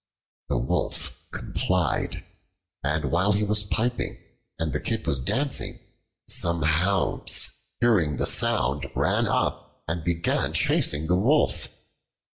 The Wolf complied, and while he was piping and the Kid was dancing, some hounds hearing the sound ran up and began chasing the Wolf.